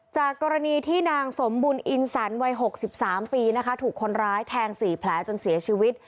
จากกรณีที่นางสมบุญอินสันวัย๖๓ปีนะคะถูกคนร้ายแทง๔แผลจนเสียชีวิต